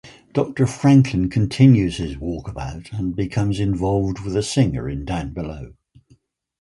Doctor Franklin continues his walkabout, and becomes involved with a singer in Downbelow.